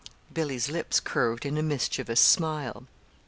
Billy's lips curved in a mischievous smile.